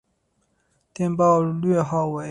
电报略号为。